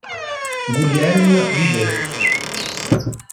Guillem Vives